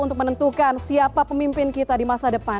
untuk menentukan siapa pemimpin kita di masa depan